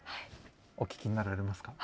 お聞きになられますか？